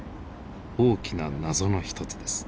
大きな謎の一つです。